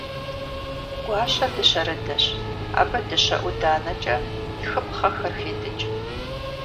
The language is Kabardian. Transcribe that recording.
Гуащэ дыщэрыдэщ. Абы дыщэ ӏуданэкӏэ тхыпхъэхэр хедыкӏ.